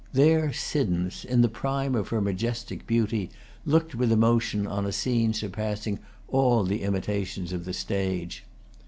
There Siddons, in the prime of her majestic beauty, looked with emotion on a scene surpassing all the imitations of the stage.